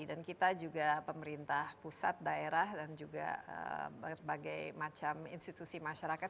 dan kita juga pemerintah pusat daerah dan juga berbagai macam institusi masyarakat